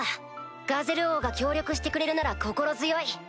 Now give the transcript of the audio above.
ガゼル王が協力してくれるなら心強い。